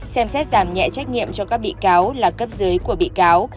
xem xét giảm nhẹ trách nhiệm cho các bị cáo là cấp dưới của bị cáo